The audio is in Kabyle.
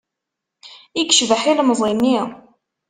I yecbeḥ ilemẓi-nni!